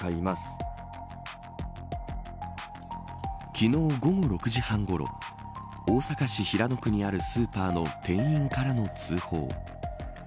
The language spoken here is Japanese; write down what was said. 昨日、午後６時半ごろ大阪市平野区にあるスーパーの店員からの通報。